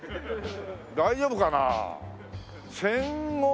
大丈夫かな？